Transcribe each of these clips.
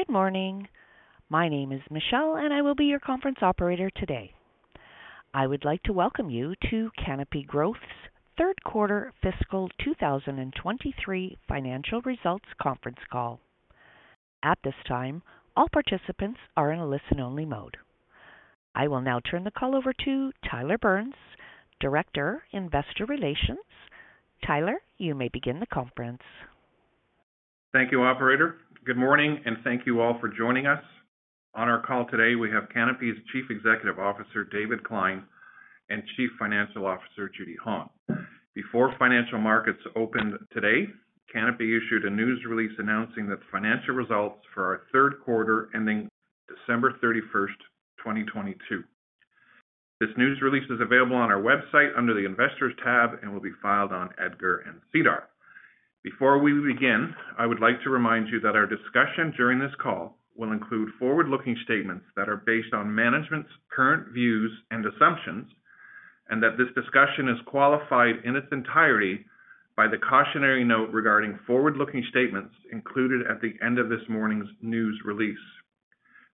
Good morning. My name is Michelle, and I will be your conference operator today. I would like to welcome you to Canopy Growth's Third Quarter Fiscal 2023 Financial Results Conference Call. At this time, all participants are in a listen-only mode. I will now turn the call over to Tyler Burns, Director, Investor Relations. Tyler, you may begin the conference. Thank you, operator. Good morning, and thank all of you for joining us. On our call today, we have Canopy's Chief Executive Officer, David Klein, and Chief Financial Officer, Judy Hong. Before financial markets opened today, Canopy issued a news release announcing the financial results for our third quarter, ending December 31st, 2022. This news release is available on our website under the Investors tab and will be filed on EDGAR and SEDAR. Before we begin, I would like to remind you that our discussion during this call will include forward-looking statements that are based on management's current views and assumptions, and that this discussion is qualified in its entirety by the cautionary note regarding forward-looking statements included at the end of this morning's news release.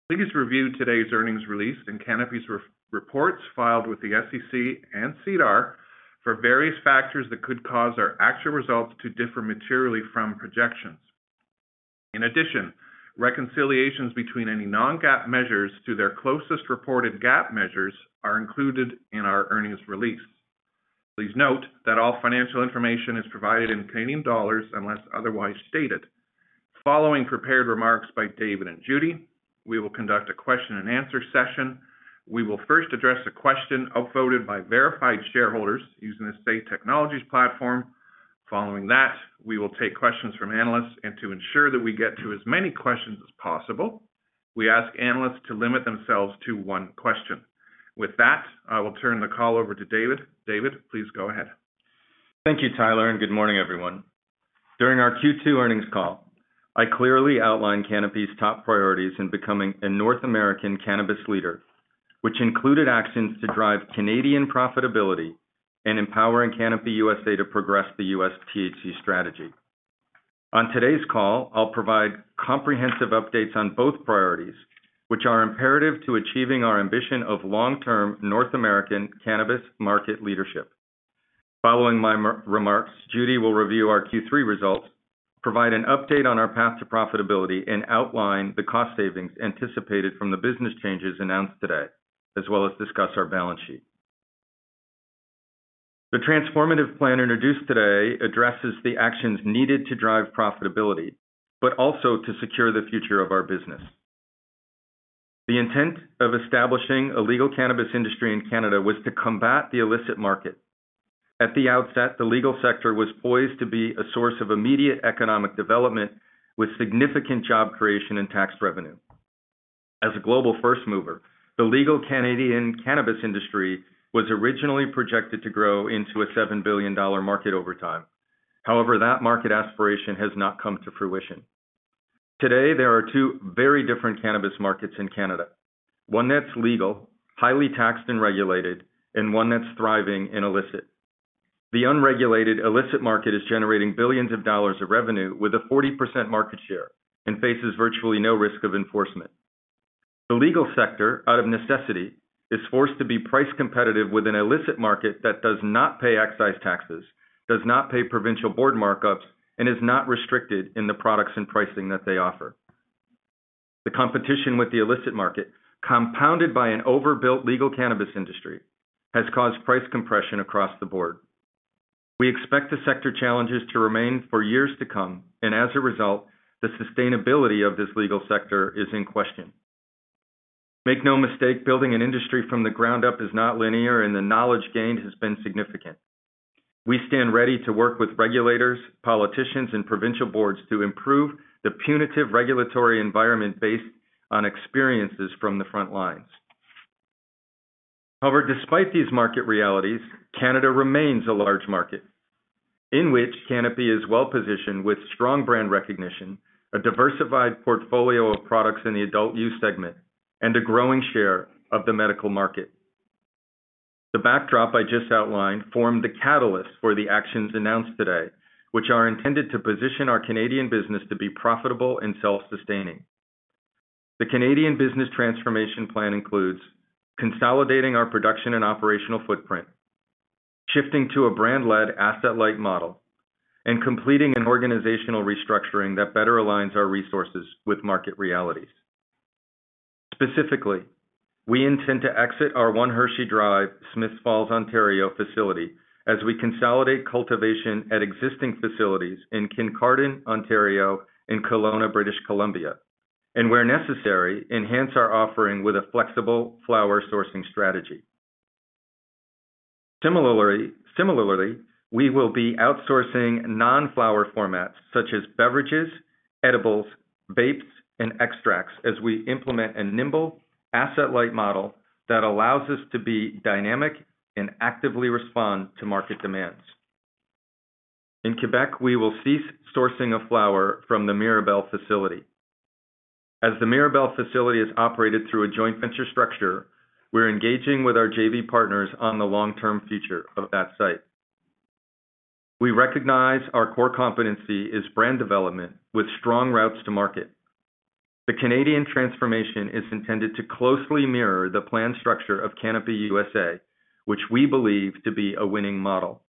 Please review today's earnings release and Canopy's re-reports filed with the SEC and SEDAR for various factors that could cause our actual results to differ materially from projections. In addition, reconciliations between any non-GAAP measures to their closest reported GAAP measures are included in our earnings release. Please note that all financial information is provided in Canadian dollars unless otherwise stated. Following prepared remarks by David and Judy, we will conduct a question-and-answer session. We will first address a question upvoted by verified shareholders using the Say Technologies platform. Following that, we will take questions from analysts. To ensure that we get to as many questions as possible, we ask analysts to limit themselves to one question. With that, I will turn the call over to David. David, please go ahead. Thank you, Tyler, and good morning, everyone. During our Q2 earnings call, I clearly outlined Canopy's top priorities in becoming a North American cannabis leader, which included actions to drive Canadian profitability and empowering Canopy USA to progress the U.S. THC strategy. On today's call, I'll provide comprehensive updates on both priorities, which are imperative to achieving our ambition of long-term North American cannabis market leadership. Following my remarks, Judy will review our Q3 results, provide an update on our path to profitability, and outline the cost savings anticipated from the business changes announced today, as well as discuss our balance sheet. The transformative plan introduced today addresses the actions needed to drive profitability, but also to secure the future of our business. The intent of establishing a legal cannabis industry in Canada was to combat the illicit market. At the outset, the legal sector was poised to be a source of immediate economic development with significant job creation and tax revenue. As a global first mover, the legal Canadian cannabis industry was originally projected to grow into a 7 billion dollar market over time. That market aspiration has not come to fruition. Today, there are two very different cannabis markets in Canada. One that's legal, highly taxed and regulated, and one that's thriving and illicit. The unregulated illicit market is generating billions of CAD of revenue with a 40% market share and faces virtually no risk of enforcement. The legal sector, out of necessity, is forced to be price competitive with an illicit market that does not pay excise taxes, does not pay provincial board markups, and is not restricted in the products and pricing that they offer. The competition with the illicit market, compounded by an overbuilt legal cannabis industry, has caused price compression across the board. We expect the sector challenges to remain for years to come. As a result, the sustainability of this legal sector is in question. Make no mistake, building an industry from the ground up is not linear. The knowledge gained has been significant. We stand ready to work with regulators, politicians, and provincial boards to improve the punitive regulatory environment based on experiences from the front lines. Despite these market realities, Canada remains a large market in which Canopy is well-positioned with strong brand recognition, a diversified portfolio of products in the adult use segment, and a growing share of the medical market. The backdrop I just outlined formed the catalyst for the actions announced today, which are intended to position our Canadian business to be profitable and self-sustaining. The Canadian business transformation plan includes consolidating our production and operational footprint, shifting to a brand-led asset-light model, and completing an organizational restructuring that better aligns our resources with market realities. Specifically, we intend to exit our One Hershey Drive, Smiths Falls, Ontario facility as we consolidate cultivation at existing facilities in Kincardine, Ontario, and Kelowna, British Columbia, and where necessary, enhance our offering with a flexible flower sourcing strategy. Similarly, we will be outsourcing non-flower formats such as beverages, edibles, vapes, and extracts as we implement a nimble asset-light model that allows us to be dynamic and actively respond to market demands. In Quebec, we will cease sourcing of flower from the Mirabel facility. As the Mirabel facility is operated through a joint venture structure, we're engaging with our JV partners on the long-term future of that site. We recognize our core competency is brand development with strong routes to market. The Canadian transformation is intended to closely mirror the plan structure of Canopy USA, which we believe to be a winning model.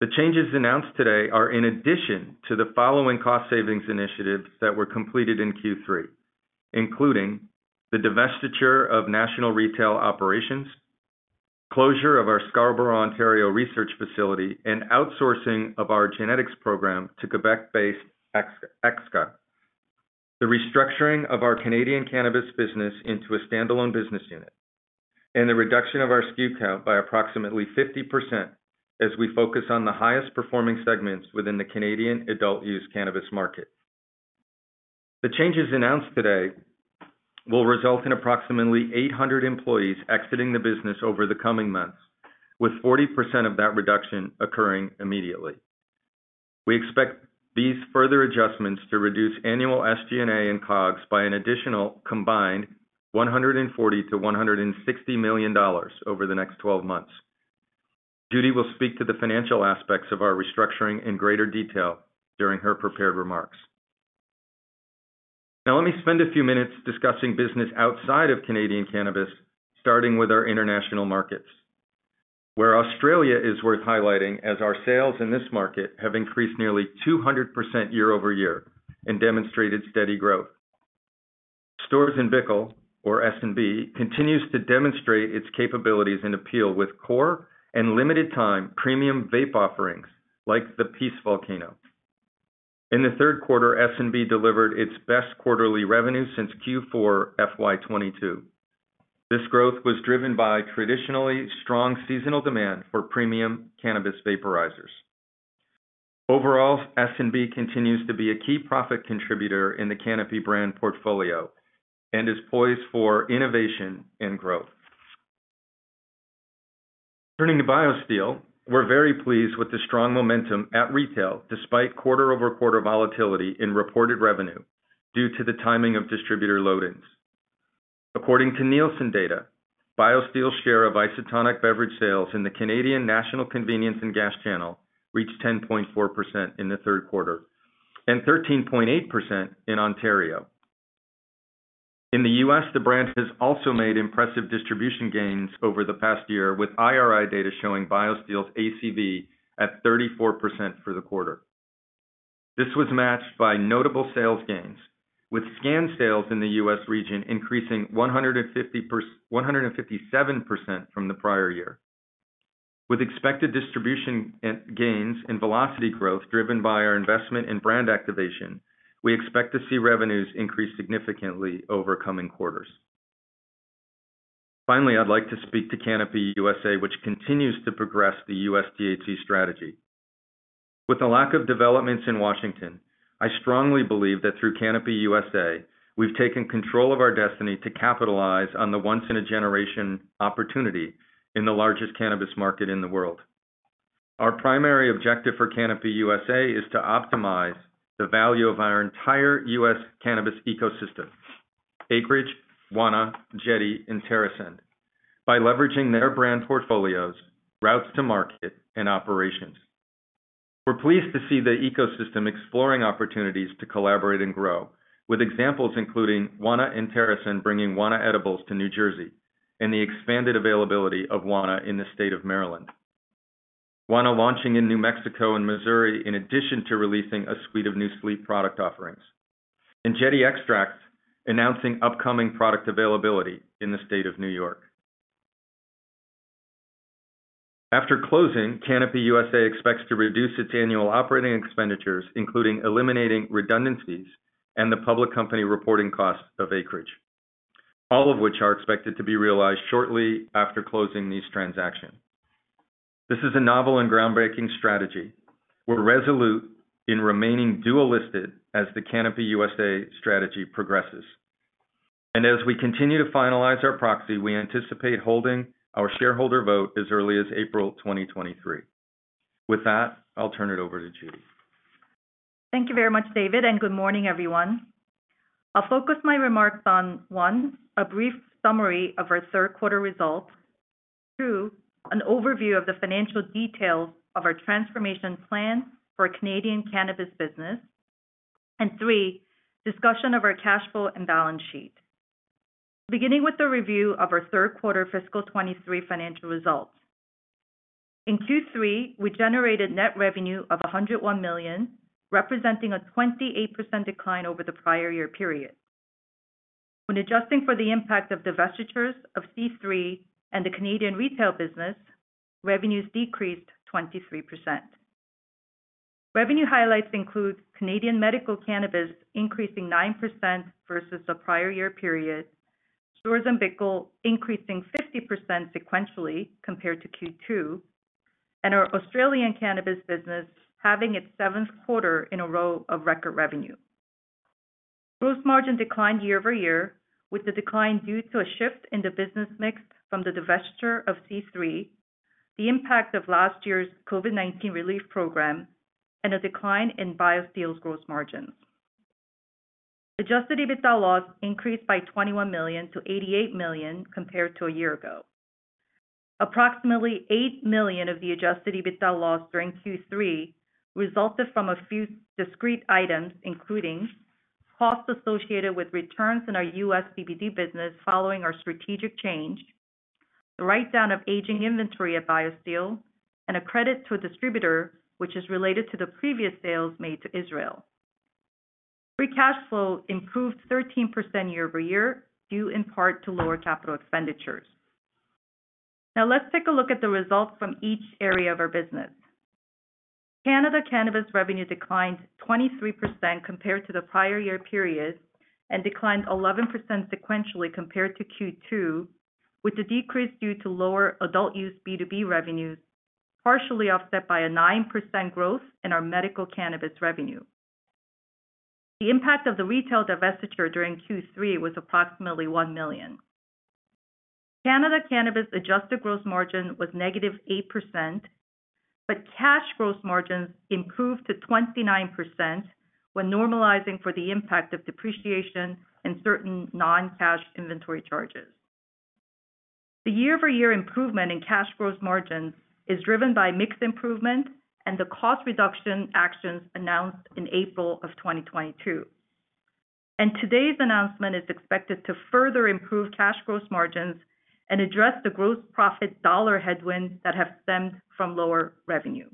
The changes announced today are in addition to the following cost savings initiatives that were completed in Q3 including the divestiture of national retail operations, closure of our Scarborough, Ontario research facility, and outsourcing of our genetics program to Quebec-based EXKA, the restructuring of our Canadian cannabis business into a standalone business unit, and the reduction of our SKU count by approximately 50% as we focus on the highest performing segments within the Canadian adult use cannabis market. The changes announced today will result in approximately 800 employees exiting the business over the coming months, with 40% of that reduction occurring immediately. We expect these further adjustments to reduce annual SG&A and COGS by an additional combined $140-$160 million over the next 12 months. Judy will speak to the financial aspects of our restructuring in greater detail during her prepared remarks. Let me spend a few minutes discussing business outside of Canadian cannabis, starting with our international markets, where Australia is worth highlighting as our sales in this market have increased nearly 200% year-over-year and demonstrated steady growth. Storz & Bickel, or S&B, continues to demonstrate its capabilities and appeal with core and limited time premium vape offerings like the PEACE VOLCANO. In the third quarter, S&B delivered its best quarterly revenue since Q4 FY 2022. This growth was driven by traditionally strong seasonal demand for premium cannabis vaporizers. Overall, S&B continues to be a key profit contributor in the Canopy brand portfolio and is poised for innovation and growth. Turning to BioSteel, we're very pleased with the strong momentum at retail despite quarter-over-quarter volatility in reported revenue due to the timing of distributor load-ins. According to Nielsen data, BioSteel's share of isotonic beverage sales in the Canadian national convenience and gas channel reached 10.4% in the third quarter and 13.8% in Ontario. In the U.S., the brand has also made impressive distribution gains over the past year, with IRI data showing BioSteel's ACV at 34% for the quarter. This was matched by notable sales gains, with scanned sales in the U.S. region increasing 157% from the prior year. With expected distribution gains and velocity growth driven by our investment in brand activation, we expect to see revenues increase significantly over coming quarters. I'd like to speak to Canopy USA, which continues to progress the U.S. THC strategy. With the lack of developments in Washington, I strongly believe that through Canopy USA, we've taken control of our destiny to capitalize on the once-in-a-generation opportunity in the largest cannabis market in the world. Our primary objective for Canopy USA is to optimize the value of our entire U.S. cannabis ecosystem, Acreage, Wana, Jetty, and TerrAscend, by leveraging their brand portfolios, routes to market and operations. We're pleased to see the ecosystem exploring opportunities to collaborate and grow, with examples including Wana and TerrAscend bringing Wana edibles to New Jersey and the expanded availability of Wana in the state of Maryland. Wana launching in New Mexico and Missouri in addition to releasing a suite of new sleep product offerings. Jetty Extracts announcing upcoming product availability in the state of New York. After closing, Canopy USA expects to reduce its annual operating expenditures, including eliminating redundancies and the public company reporting costs of Acreage, all of which are expected to be realized shortly after closing this transaction. This is a novel and groundbreaking strategy. We're resolute in remaining dual-listed as the Canopy USA strategy progresses. As we continue to finalize our proxy, we anticipate holding our shareholder vote as early as April 2023. With that, I'll turn it over to Judy. Thank you very much, David. Good morning, everyone. I'll focus my remarks on, one, a brief summary of our third quarter results, two, an overview of the financial details of our transformation plan for Canadian cannabis business, and three, discussion of our cash flow and balance sheet. Beginning with the review of our third quarter fiscal 2023 financial results. In Q3, we generated net revenue of 101 million, representing a 28% decline over the prior year period. When adjusting for the impact of divestitures of C3 and the Canadian retail business, revenues decreased 23%. Revenue highlights include Canadian medical cannabis increasing 9% versus the prior year period, Storz & Bickel increasing 50% sequentially compared to Q2, and our Australian cannabis business having its seventh quarter in a row of record revenue. Gross margin declined year-over-year with the decline due to a shift in the business mix from the divestiture of C3, the impact of last year's COVID-19 relief program, and a decline in BioSteel's gross margins. Adjusted EBITDA loss increased by 21 million to 88 million compared to a year ago. Approximately 8 million of the adjusted EBITDA loss during Q3 resulted from a few discrete items, including costs associated with returns in our US CBD business following our strategic change, the write-down of aging inventory at BioSteel, and a credit to a distributor which is related to the previous sales made to Israel. Free cash flow improved 13% year-over-year, due in part to lower capital expenditures. Now let's take a look at the results from each area of our business. Canada cannabis revenue declined 23% compared to the prior year period and declined 11% sequentially compared to Q2, with the decrease due to lower adult use B2B revenues, partially offset by a 9% growth in our medical cannabis revenue. The impact of the retail divestiture during Q3 was approximately 1 million. Canada cannabis adjusted gross margin was negative 8%, but cash gross margins improved to 29% when normalizing for the impact of depreciation and certain non-cash inventory charges. The year-over-year improvement in cash gross margins is driven by mix improvement and the cost reduction actions announced in April 2022. Today's announcement is expected to further improve cash gross margins and address the gross profit dollar headwinds that have stemmed from lower revenue.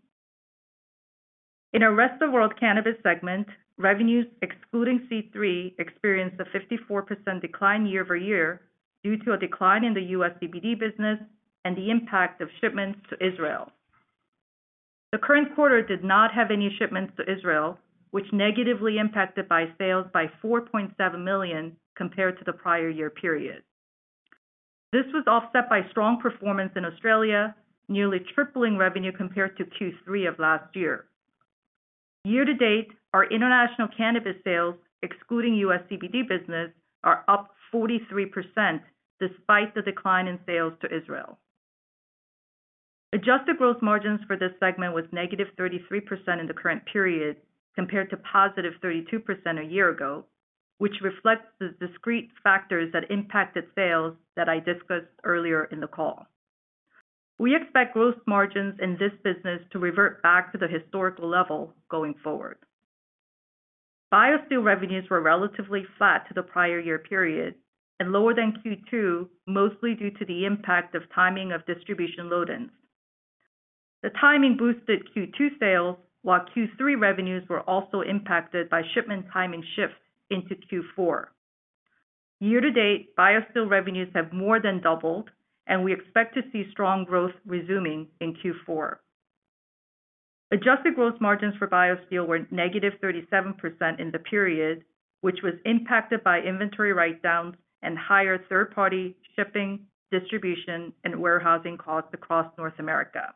In our Rest of World cannabis segment, revenues excluding C3 experienced a 54% decline year-over-year due to a decline in the US CBD business and the impact of shipments to Israel. The current quarter did not have any shipments to Israel, which negatively impacted by sales by 4.7 million compared to the prior year period. This was offset by strong performance in Australia, nearly tripling revenue compared to Q3 of last year. Year-to-date, our international cannabis sales, excluding US CBD business, are up 43% despite the decline in sales to Israel. adjusted gross margins for this segment was negative 33% in the current period compared to positive 32% a year ago, which reflects the discrete factors that impacted sales that I discussed earlier in the call. We expect gross margins in this business to revert back to the historical level going forward. BioSteel revenues were relatively flat to the prior year period and lower than Q2, mostly due to the impact of timing of distribution load-ins. The timing boosted Q2 sales, while Q3 revenues were also impacted by shipment timing shifts into Q4. Year-to-date, BioSteel revenues have more than doubled. We expect to see strong growth resuming in Q4. Adjusted gross margins for BioSteel were negative 37% in the period, which was impacted by inventory write-downs and higher third-party shipping, distribution, and warehousing costs across North America.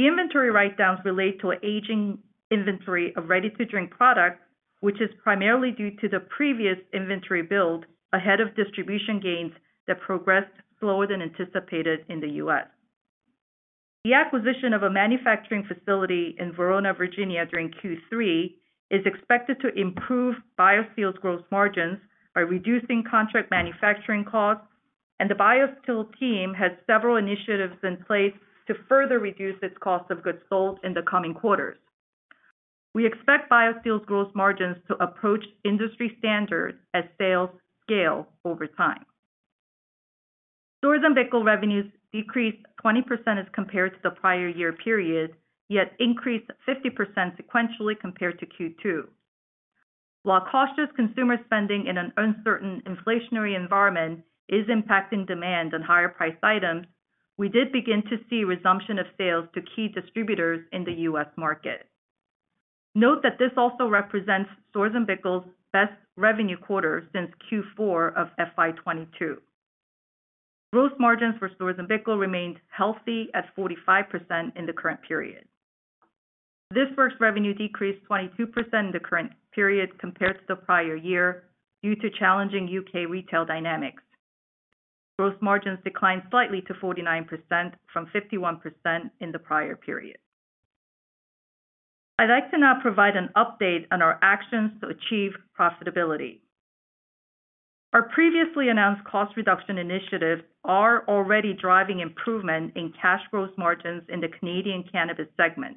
The inventory write-downs relate to aging inventory of ready-to-drink product, which is primarily due to the previous inventory build ahead of distribution gains that progressed slower than anticipated in the U.S. The acquisition of a manufacturing facility in Verona, Virginia during Q3 is expected to improve BioSteel's gross margins by reducing contract manufacturing costs, and the BioSteel team has several initiatives in place to further reduce its cost of goods sold in the coming quarters. We expect BioSteel's gross margins to approach industry standard as sales scale over time. Storz & Bickel revenues decreased 20% as compared to the prior year period, yet increased 50% sequentially compared to Q2. While cautious consumer spending in an uncertain inflationary environment is impacting demand on higher priced items, we did begin to see resumption of sales to key distributors in the U.S. market. Note that this also represents Storz & Bickel's best revenue quarter since Q4 of FY 2022. Gross margins for Storz & Bickel remained healthy at 45% in the current period. This first revenue decreased 22% in the current period compared to the prior year due to challenging U.K. retail dynamics. Gross margins declined slightly to 49% from 51% in the prior period. I'd like to now provide an update on our actions to achieve profitability. Our previously announced cost reduction initiatives are already driving improvement in cash gross margins in the Canadian cannabis segment.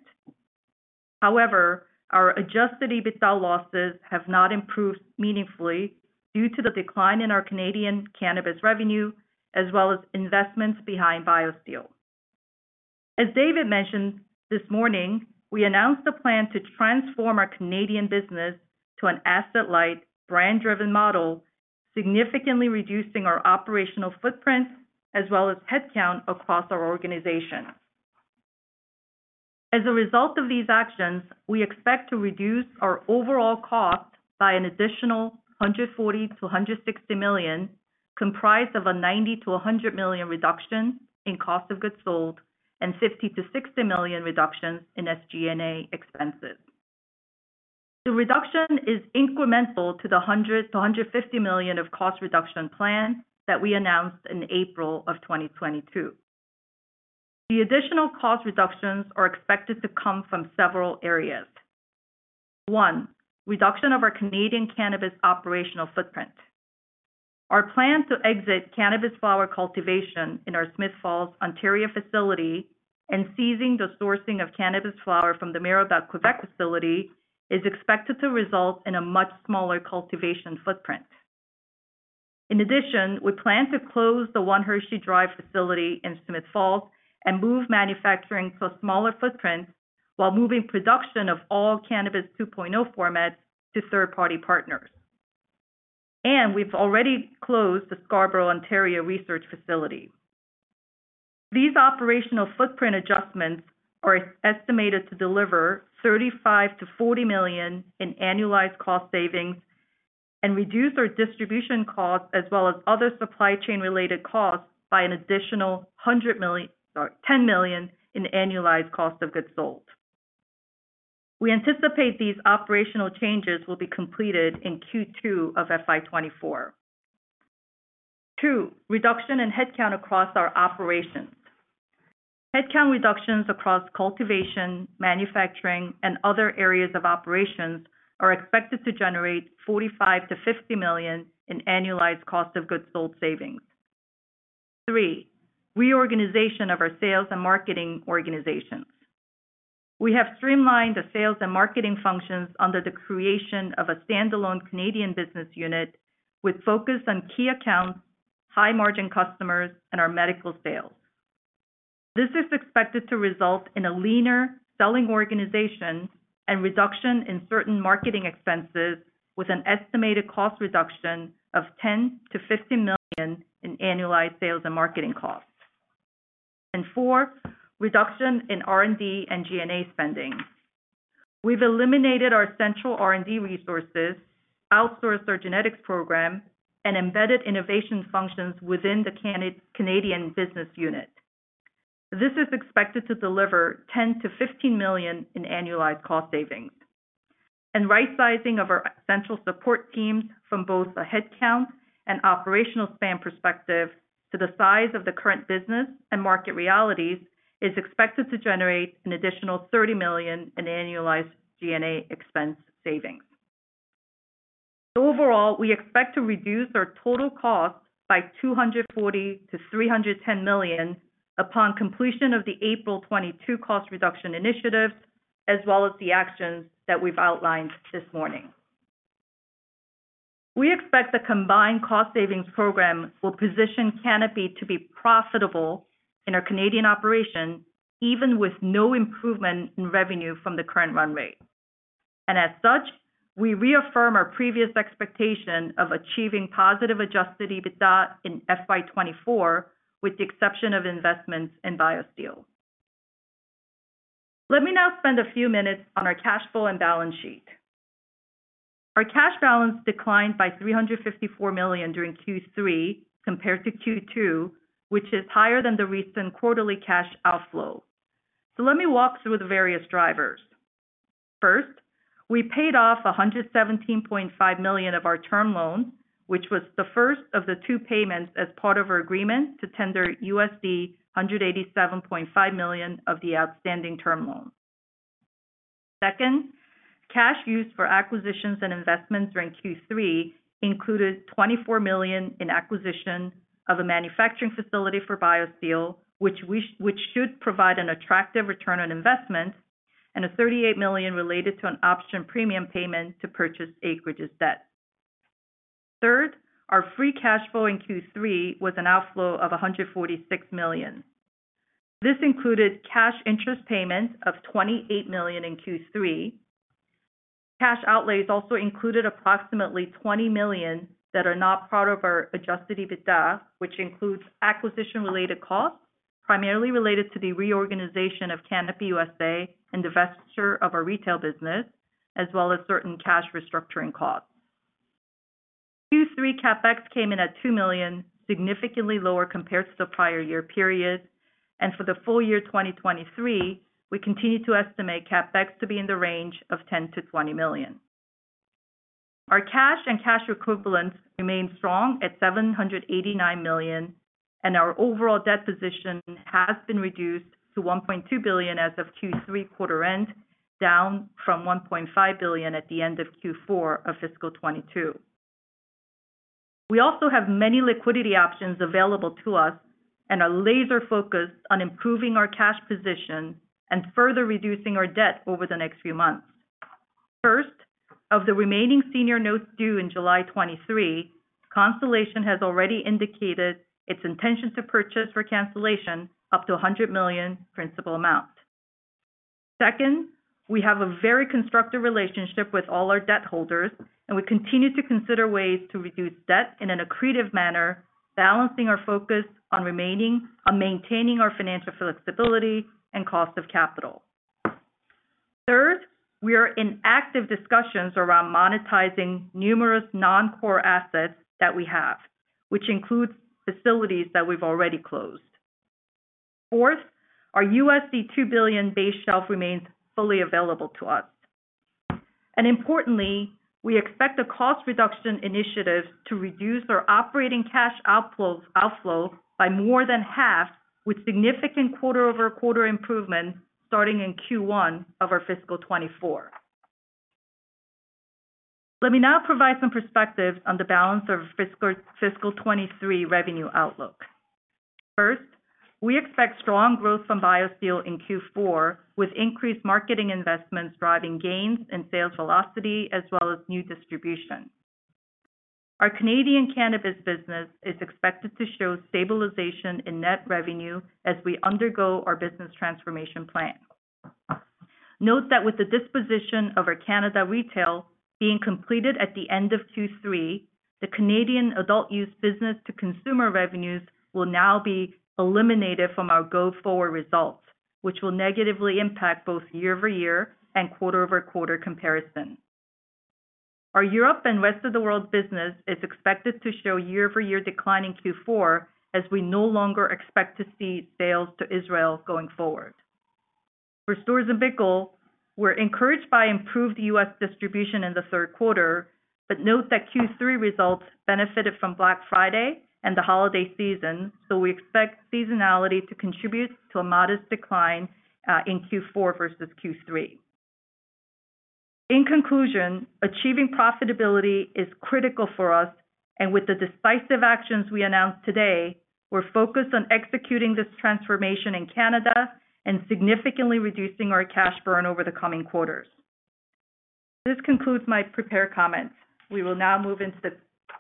However, our adjusted EBITDA losses have not improved meaningfully due to the decline in our Canadian cannabis revenue as well as investments behind BioSteel. As David mentioned this morning, we announced a plan to transform our Canadian business to an asset-light, brand-driven model, significantly reducing our operational footprint as well as headcount across our organization. As a result of these actions, we expect to reduce our overall cost by an additional 140-160 million, comprised of a 90-100 million reduction in cost of goods sold and 50-60 million reductions in SG&A expenses. The reduction is incremental to the 100-150 million of cost reduction plan that we announced in April 2022. The additional cost reductions are expected to come from several areas. One, reduction of our Canadian cannabis operational footprint. Our plan to exit cannabis flower cultivation in our Smiths Falls, Ontario facility and ceasing the sourcing of cannabis flower from the Mirabel, Quebec facility is expected to result in a much smaller cultivation footprint. In addition, we plan to close the One Hershey Drive facility in Smiths Falls and move manufacturing to a smaller footprint while moving production of all Cannabis 2.0 formats to third-party partners. We've already closed the Scarborough, Ontario research facility. These operational footprint adjustments are estimated to deliver 35-40 million in annualized cost savings and reduce our distribution costs as well as other supply chain-related costs by an additional 10 million in annualized cost of goods sold. We anticipate these operational changes will be completed in Q2 of FY 2024. Two, reduction in headcount across our operations. Headcount reductions across cultivation, manufacturing, and other areas of operations are expected to generate 45-50 million in annualized cost of goods sold savings. Three, reorganization of our sales and marketing organizations. We have streamlined the sales and marketing functions under the creation of a standalone Canadian business unit with focus on key accounts, high-margin customers, and our medical sales. This is expected to result in a leaner selling organization and reduction in certain marketing expenses with an estimated cost reduction of 10-50 million in annualized sales and marketing costs. Four, reduction in R&D and G&A spending. We've eliminated our central R&D resources, outsourced our genetics program, and embedded innovation functions within the Canadian business unit. This is expected to deliver 10-15 million in annualized cost savings. Rightsizing of our central support teams from both a headcount and operational span perspective to the size of the current business and market realities is expected to generate an additional 30 million in annualized G&A expense savings. Overall, we expect to reduce our total costs by 240-310 million upon completion of the April 2022 cost reduction initiatives, as well as the actions that we've outlined this morning. We expect the combined cost savings program will position Canopy to be profitable in our Canadian operation, even with no improvement in revenue from the current run rate. As such, we reaffirm our previous expectation of achieving positive adjusted EBITDA in FY 2024, with the exception of investments in BioSteel. Let me now spend a few minutes on our cash flow and balance sheet. Our cash balance declined by 354 million during Q3 compared to Q2, which is higher than the recent quarterly cash outflow. Let me walk through the various drivers. First, we paid off $117.5 million of our term loan, which was the first of the two payments as part of our agreement to tender $187.5 million of the outstanding term loan. Second, cash used for acquisitions and investments during Q3 included $24 million in acquisition of a manufacturing facility for BioSteel, which should provide an attractive return on investment, and $38 million related to an option premium payment to purchase Acreage's debt. Third, our free cash flow in Q3 was an outflow of $146 million. This included cash interest payments of $28 million in Q3. Cash outlays also included approximately 20 million that are not part of our adjusted EBITDA, which includes acquisition-related costs, primarily related to the reorganization of Canopy USA and divestiture of our retail business, as well as certain cash restructuring costs. Q3 CapEx came in at 2 million, significantly lower compared to the prior year period. For the full year 2023, we continue to estimate CapEx to be in the range of 10-20 million. Our cash and cash equivalents remain strong at 789 million, and our overall debt position has been reduced to 1.2 billion as of Q3 quarter end, down from 1.5 billion at the end of Q4 of fiscal 2022. We also have many liquidity options available to us and are laser-focused on improving our cash position and further reducing our debt over the next few months. First, of the remaining senior notes due in July 2023, Constellation has already indicated its intention to purchase for cancellation up to 100 million principal amount. Second, we have a very constructive relationship with all our debt holders, and we continue to consider ways to reduce debt in an accretive manner, balancing our focus on remaining or maintaining our financial flexibility and cost of capital. Third, we are in active discussions around monetizing numerous non-core assets that we have, which includes facilities that we've already closed. Fourth, our $2 billion-based shelf remains fully available to us. Importantly, we expect the cost reduction initiatives to reduce our operating cash outflow by more than half, with significant quarter-over-quarter improvements starting in Q1 of our fiscal 2024. Let me now provide some perspective on the balance of fiscal 2023 revenue outlook. First, we expect strong growth from BioSteel in Q4, with increased marketing investments driving gains in sales velocity as well as new distribution. Our Canadian cannabis business is expected to show stabilization in net revenue as we undergo our business transformation plan. Note that with the disposition of our Canada retail being completed at the end of Q3, the Canadian adult use business to consumer revenues will now be eliminated from our go-forward results, which will negatively impact both year-over-year and quarter-over-quarter comparison. Our Europe and rest of the world business is expected to show year-over-year decline in Q4 as we no longer expect to see sales to Israel going forward. For Storz & Bickel, we're encouraged by improved U.S. distribution in the third quarter. Note that Q3 results benefited from Black Friday and the holiday season, so we expect seasonality to contribute to a modest decline in Q4 versus Q3. In conclusion, achieving profitability is critical for us, and with the decisive actions we announced today, we're focused on executing this transformation in Canada and significantly reducing our cash burn over the coming quarters. This concludes my prepared comments. We will now move into the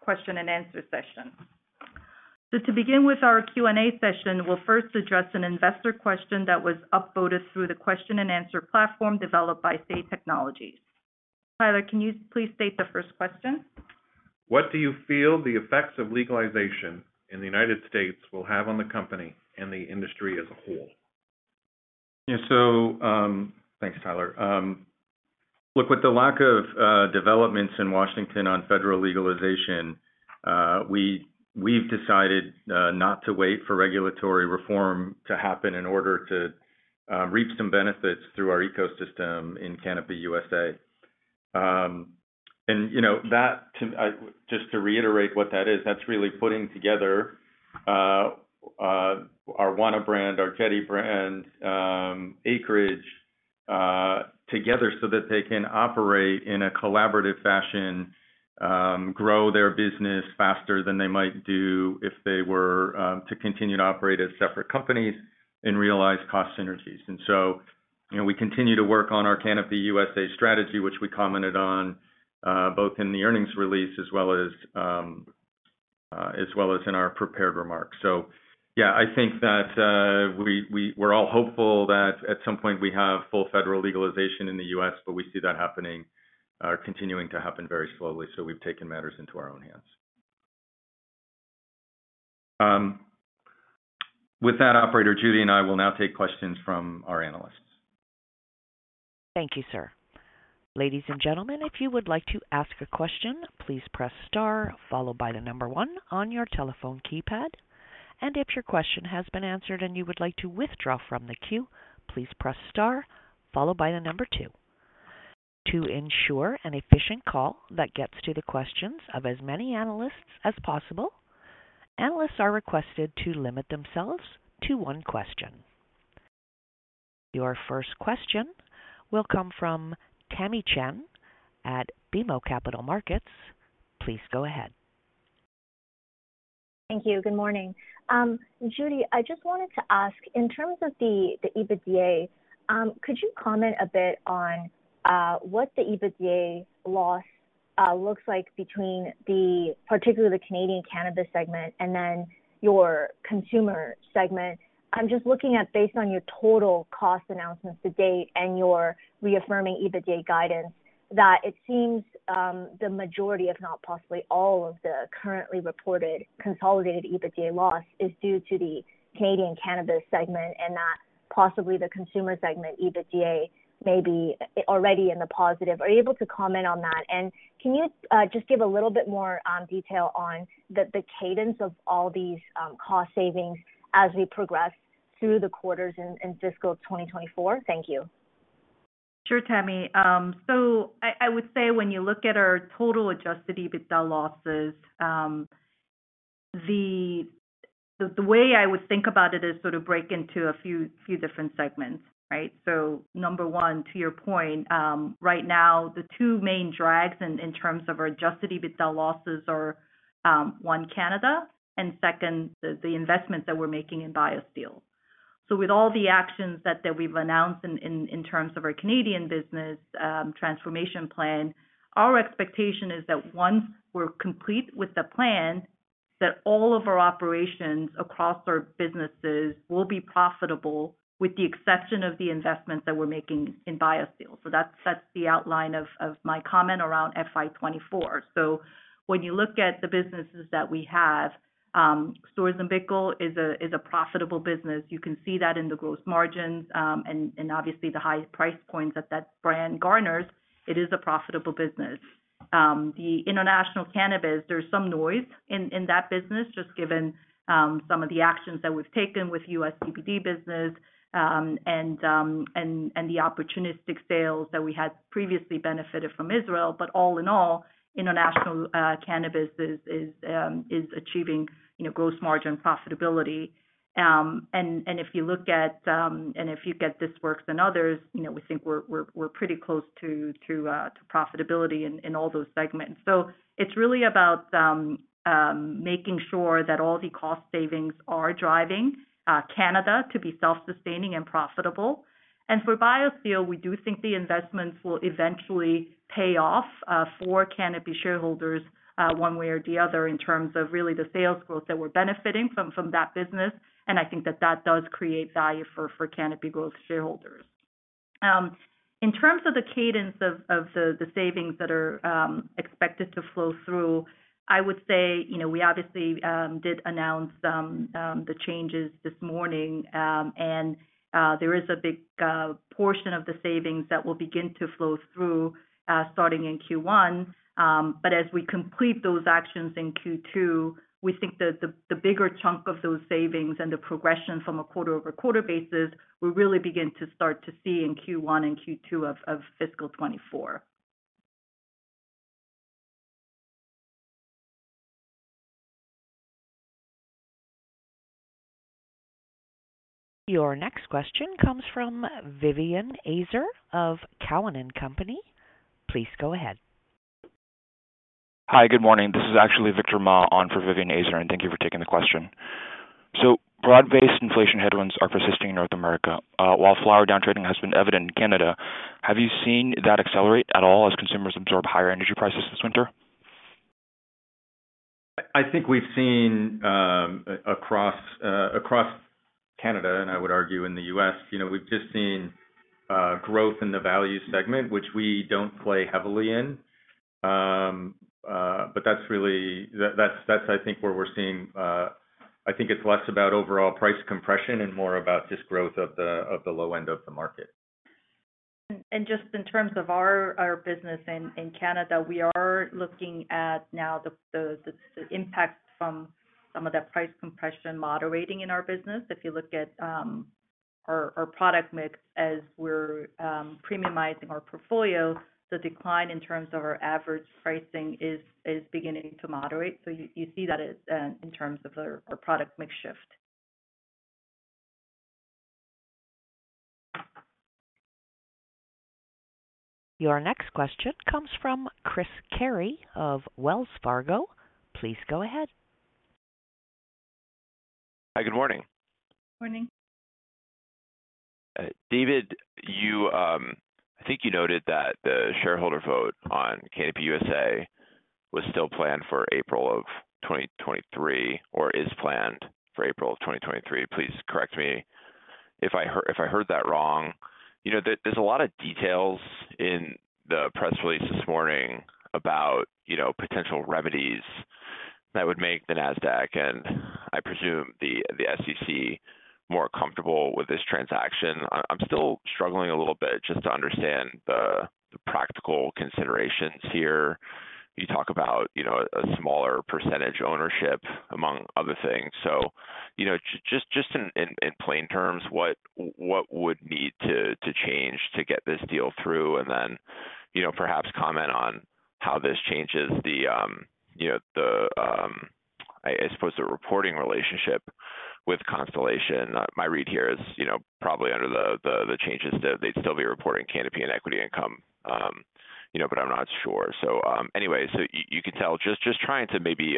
question-and-answer session. To begin with our Q&A session, we'll first address an investor question that was up voted through the question-and-answer platform developed by SAY Technologies. Tyler, can you please state the first question? What do you feel the effects of legalization in the United States will have on the company and the industry as a whole? Thanks, Tyler. Look, with the lack of developments in Washington on federal legalization, we've decided not to wait for regulatory reform to happen in order to reap some benefits through our ecosystem in Canopy USA. You know Just to reiterate what that is, that's really putting together our Wana brand, our Jetty brand, Acreage, together so that they can operate in a collaborative fashion, grow their business faster than they might do if they were to continue to operate as separate companies and realize cost synergies. You know, we continue to work on our Canopy USA strategy, which we commented on, both in the earnings release as well as in our prepared remarks. Yeah, I think that we're all hopeful that at some point we have full federal legalization in the U.S., but we see that happening or continuing to happen very slowly. We've taken matters into our own hands. With that operator, Judy and I will now take questions from our analysts. Thank you, sir. Ladies and gentlemen, if you would like to ask a question, please press star followed by one on your telephone keypad. If your question has been answered and you would like to withdraw from the queue, please press star followed by two. To ensure an efficient call that gets to the questions of as many analysts as possible, analysts are requested to limit themselves to one question. Your first question will come from Tamy Chen at BMO Capital Markets. Please go ahead. Thank you. Good morning. Judy, I just wanted to ask, in terms of the EBITDA, could you comment a bit on what the EBITDA loss looks like between particularly the Canadian cannabis segment and then your consumer segment? I'm just looking at based on your total cost announcements to date and your reaffirming EBITDA guidance, that it seems the majority, if not possibly all of the currently reported consolidated EBITDA loss is due to the Canadian cannabis segment and that possibly the consumer segment EBITDA may be already in the positive. Are you able to comment on that? Can you just give a little bit more detail on the cadence of all these cost savings as we progress through the quarters in fiscal 2024? Thank you. Sure, Tamy. I would say when you look at our total adjusted EBITDA losses, the way I would think about it is sort of break into a few different segments, right? Number one, to your point, right now the two main drags in terms of our adjusted EBITDA losses are one Canada and second, the investments that we're making in BioSteel. With all the actions that we've announced in terms of our Canadian business transformation plan, our expectation is that once we're complete with the plan, that all of our operations across our businesses will be profitable with the exception of the investments that we're making in BioSteel. That sets the outline of my comment around FY 2024. When you look at the businesses that we have, Storz & Bickel is a profitable business. You can see that in the gross margins, and obviously the highest price points that that brand garners, it is a profitable business. The international cannabis, there's some noise in that business, just given some of the actions that we've taken with US CBD business, and the opportunistic sales that we had previously benefited from Israel. All in all, international cannabis is achieving, you know, gross margin profitability. And if you look at, and if you get this works than others, you know, we think we're pretty close to profitability in all those segments. It's really about making sure that all the cost savings are driving Canada to be self-sustaining and profitable. For BioSteel, we do think the investments will eventually pay off for Canopy shareholders one way or the other in terms of really the sales growth that we're benefiting from that business, and I think that that does create value for Canopy Growth shareholders. In terms of the cadence of the savings that are expected to flow through, I would say, you know, we obviously did announce some the changes this morning, there is a big portion of the savings that will begin to flow through starting in Q1. As we complete those actions in Q2, we think that the bigger chunk of those savings and the progression from a quarter-over-quarter basis, we really begin to start to see in Q1 and Q2 of fiscal 2024. Your next question comes from Vivien Azer of Cowen and Company. Please go ahead. Hi. Good morning. This is actually Victor Ma on for Vivien Azer, and thank you for taking the question. Broad-based inflation headwinds are persisting in North America. While flower downtrading has been evident in Canada, have you seen that accelerate at all as consumers absorb higher energy prices this winter? I think we've seen, across Canada. I would argue in the U.S., you know, we've just seen growth in the value segment, which we don't play heavily in. That's really, that's I think where we're seeing. I think it's less about overall price compression and more about just growth of the low end of the market. Just in terms of our business in Canada, we are looking at now the impact from some of that price compression moderating in our business. If you look at our product mix as we're premiumizing our portfolio, the decline in terms of our average pricing is beginning to moderate. You see that as in terms of our product mix shift. Your next question comes from Chris Carey of Wells Fargo. Please go ahead. Hi. Good morning. Morning. David, you I think you noted that the shareholder vote on Canopy USA was still planned for April of 2023, or is planned for April of 2023. Please correct me if I heard that wrong. You know, there's a lot of details in the press release this morning about, you know, potential remedies that would make the Nasdaq and I presume the SEC more comfortable with this transaction. I'm still struggling a little bit just to understand the practical considerations here. You talk about, you know, a smaller percentage ownership among other things. You know, just in plain terms, what would need to change to get this deal through? You know, perhaps comment on how this changes the, you know, the, I suppose the reporting relationship with Constellation. My read here is, you know, probably under the changes that they'd still be reporting Canopy and equity income, you know, but I'm not sure. Anyway, you could tell. Just trying to maybe,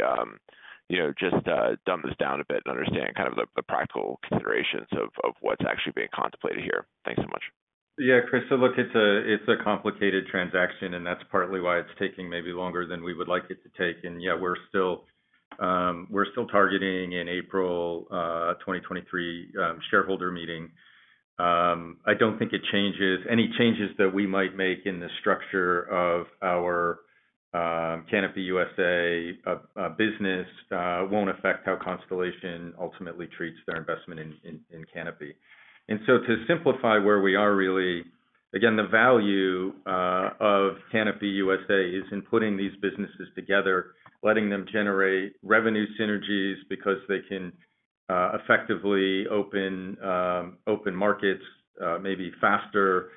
you know, just dumb this down a bit and understand kind of the practical considerations of what's actually being contemplated here. Thanks so much. Yeah. Chris, look, it's a complicated transaction. That's partly why it's taking maybe longer than we would like it to take. Yeah, we're still targeting April 2023 shareholder meeting. I don't think any changes that we might make in the structure of our Canopy USA business won't affect how Constellation ultimately treats their investment in Canopy. To simplify where we are really, again, the value of Canopy USA is in putting these businesses together, letting them generate revenue synergies because they can effectively open markets maybe faster,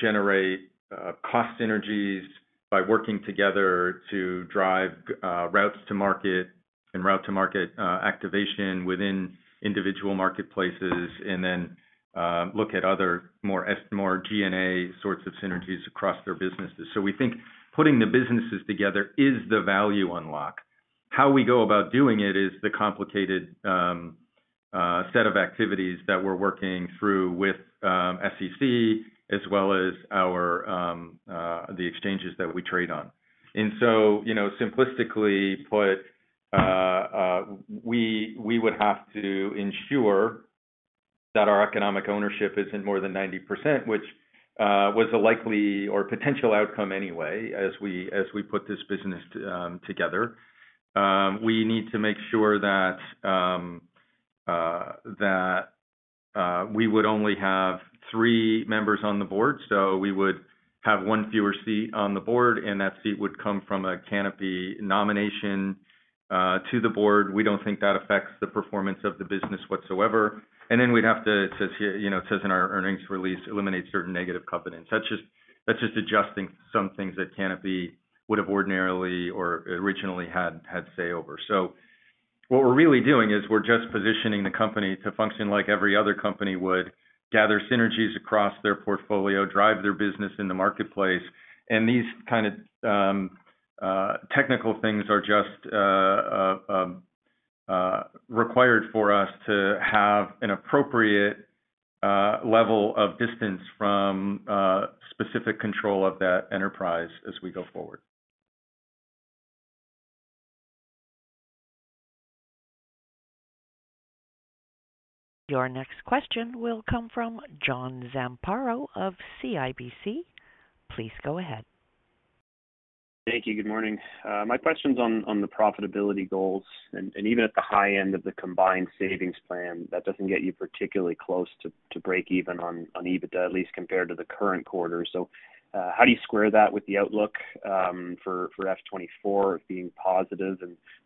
generate cost synergies by working together to drive routes to market and route to market activation within individual marketplaces, and then look at other more G&A sorts of synergies across their businesses. So we think putting the businesses together is the value unlock. How we go about doing it is the complicated set of activities that we're working through with SEC as well as our the exchanges that we trade on. You know, simplistically put, we would have to ensure that our economic ownership isn't more than 90%, which was a likely or potential outcome anyway, as we put this business together. We need to make sure that we would only have three members on the board, so we would have one fewer seat on the board, and that seat would come from a Canopy nomination to the board. We don't think that affects the performance of the business whatsoever. We'd have to, it says here, you know, it says in our earnings release, eliminate certain negative covenants. That's just adjusting some things that Canopy would have ordinarily or originally had say over. What we're really doing is we're just positioning the company to function like every other company would gather synergies across their portfolio, drive their business in the marketplace. These kind of technical things are just required for us to have an appropriate level of distance from specific control of that enterprise as we go forward. Your next question will come from John Zamparo of CIBC. Please go ahead. Thank you. Good morning. My question's on the profitability goals. Even at the high end of the combined savings plan, that doesn't get you particularly close to break even on EBITDA, at least compared to the current quarter. How do you square that with the outlook for FY 2024 being positive?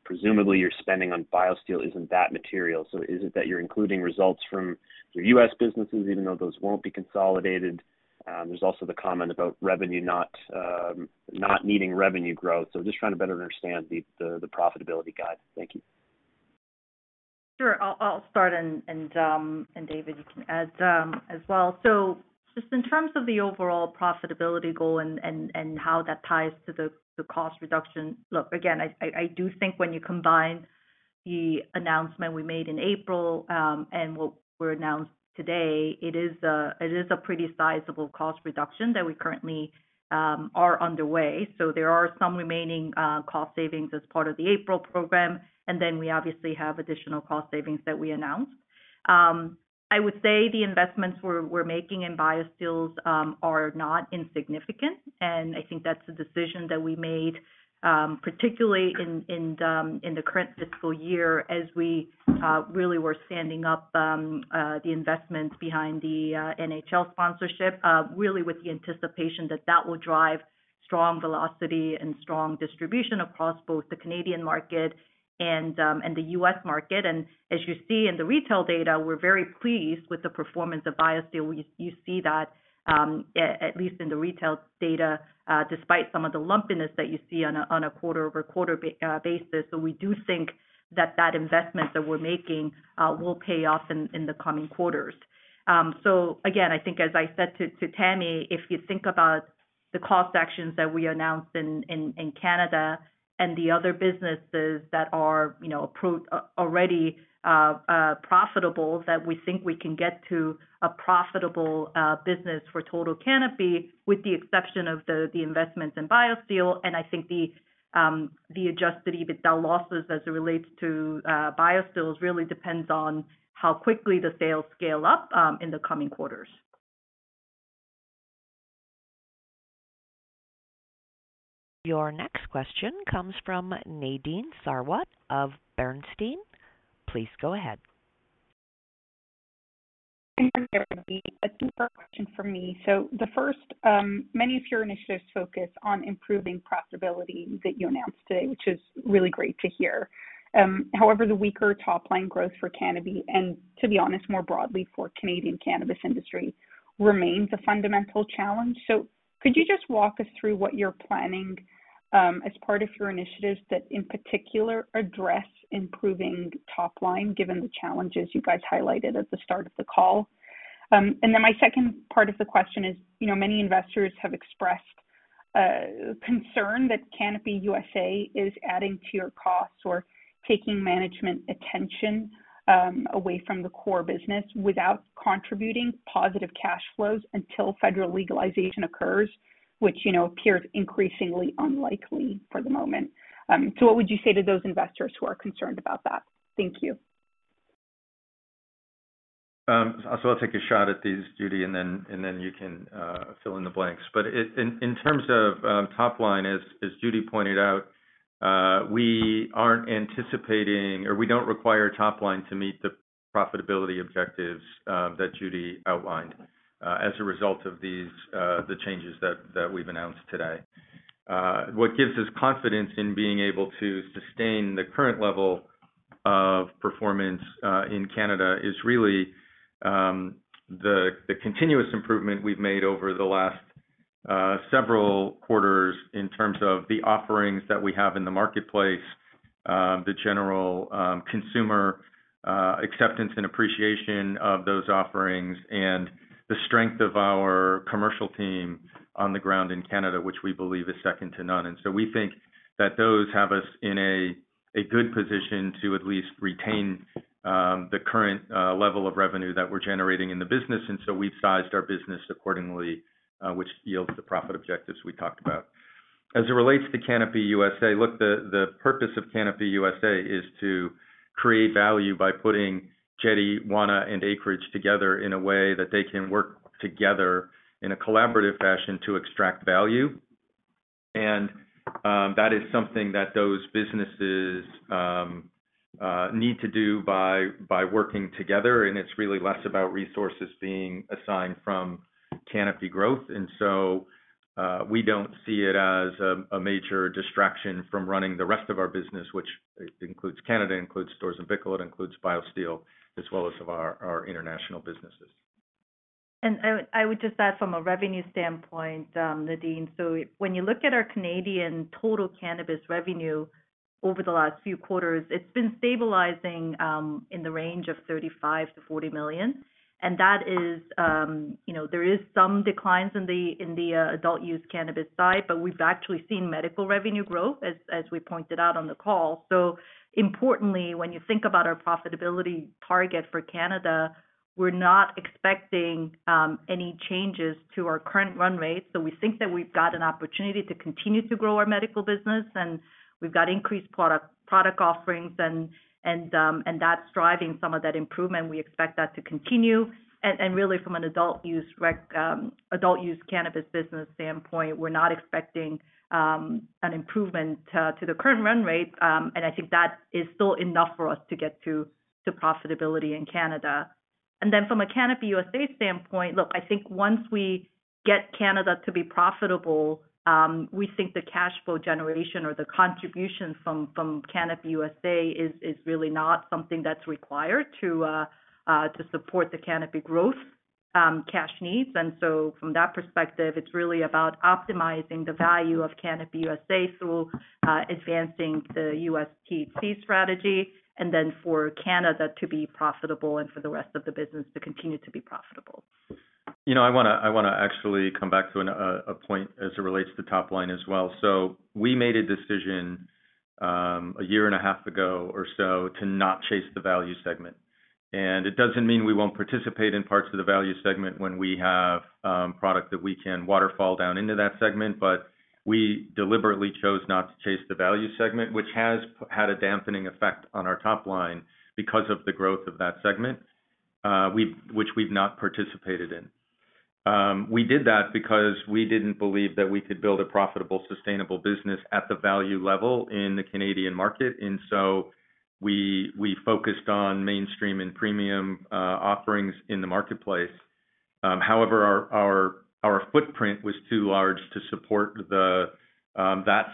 Presumably you're spending on BioSteel isn't that material. Is it that you're including results from your U.S. businesses even though those won't be consolidated? There's also the comment about revenue not needing revenue growth. Just trying to better understand the profitability guide. Thank you. Sure. I'll start and David, you can add as well. Just in terms of the overall profitability goal and how that ties to the cost reduction. Look, again, I do think when you combine the announcement we made in April, and what we announced today, it is a pretty sizable cost reduction that we currently are underway. There are some remaining cost savings as part of the April program, and then we obviously have additional cost savings that we announced. I would say the investments we're making in BioSteel are not insignificant. I think that's a decision that we made, particularly in the current fiscal year as we really were standing up the investments behind the NHL sponsorship, really with the anticipation that that will drive strong velocity and strong distribution across both the Canadian market and the US market. As you see in the retail data, we're very pleased with the performance of BioSteel. You see that at least in the retail data, despite some of the lumpiness that you see on a quarter-over-quarter basis. We do think that that investment that we're making will pay off in the coming quarters. Again, I think as I said to Tamy, if you think about the cost actions that we announced in Canada and the other businesses that are, you know, already profitable, that we think we can get to a profitable business for total Canopy with the exception of the investments in BioSteel. I think the adjusted EBITDA losses as it relates to BioSteel really depends on how quickly the sales scale up in the coming quarters. Your next question comes from Nadine Sarwat of Bernstein. Please go ahead. A two-part question for me. The first, many of your initiatives focus on improving profitability that you announced today, which is really great to hear. However, the weaker top line growth for Canopy, and to be honest, more broadly for Canadian cannabis industry, remains a fundamental challenge. Could you just walk us through what you're planning as part of your initiatives that in particular address improving top line given the challenges you guys highlighted at the start of the call? And then my second part of the question is, you know, many investors have expressed concern that Canopy USA is adding to your costs or taking management attention away from the core business without contributing positive cash flows until federal legalization occurs, which, you know, appears increasingly unlikely for the moment. What would you say to those investors who are concerned about that? Thank you. I'll take a shot at these, Judy, and then you can fill in the blanks. In terms of top line, as Judy pointed out, we aren't anticipating or we don't require top line to meet the profitability objectives that Judy outlined as a result of these the changes that we've announced today. What gives us confidence in being able to sustain the current level of performance in Canada is really the continuous improvement we've made over the last several quarters in terms of the offerings that we have in the marketplace, the general consumer acceptance and appreciation of those offerings, and the strength of our commercial team on the ground in Canada, which we believe is second to none. We think that those have us in a good position to at least retain the current level of revenue that we're generating in the business, and so we've sized our business accordingly, which yields the profit objectives we talked about. As it relates to Canopy USA, look, the purpose of Canopy USA is to create value by putting Jetty, Wana, and Acreage together in a way that they can work together in a collaborative fashion to extract value. That is something that those businesses need to do by working together, and it's really less about resources being assigned from Canopy Growth. We don't see it as a major distraction from running the rest of our business, which includes Canada, includes Storz & Bickel, it includes BioSteel, as well as our international businesses. I would just add from a revenue standpoint, Nadine, when you look at our Canadian total cannabis revenue over the last few quarters, it's been stabilizing in the range of 35-40 million. That is, you know, there is some declines in the adult use cannabis side, but we've actually seen medical revenue growth as we pointed out on the call. Importantly, when you think about our profitability target for Canada, we're not expecting any changes to our current run rate. We think that we've got an opportunity to continue to grow our medical business, and we've got increased product offerings and that's driving some of that improvement. We expect that to continue. From an adult use cannabis business standpoint, we're not expecting an improvement to the current run rate. I think that is still enough for us to get to profitability in Canada. From a Canopy USA standpoint, I think once we get Canada to be profitable, we think the cash flow generation or the contribution from Canopy USA is really not something that's required to support the Canopy Growth cash needs. From that perspective, it's really about optimizing the value of Canopy USA through advancing the US THC strategy and for Canada to be profitable and for the rest of the business to continue to be profitable. You know, I wanna actually come back to a point as it relates to top line as well. We made a decision a year and a half ago or so to not chase the value segment. It doesn't mean we won't participate in parts of the value segment when we have product that we can waterfall down into that segment. We deliberately chose not to chase the value segment, which has had a dampening effect on our top line because of the growth of that segment, which we've not participated in. We did that because we didn't believe that we could build a profitable, sustainable business at the value level in the Canadian market. We focused on mainstream and premium offerings in the marketplace. However, our footprint was too large to support the